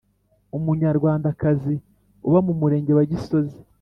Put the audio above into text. umunyarwandakazi uba mu Murenge wa Gisozi